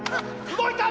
動いた！